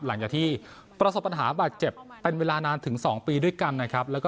หลังจากที่ประสบปัญหาบาดเจ็บเป็นเวลานานถึง๒ปีด้วยกันนะครับ